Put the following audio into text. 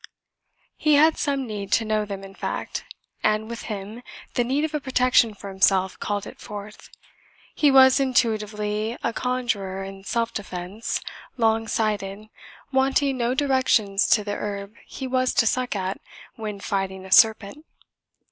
He had some need to know them in fact; and with him the need of a protection for himself called it forth; he was intuitively a conjurer in self defence, long sighted, wanting no directions to the herb he was to suck at when fighting a serpent.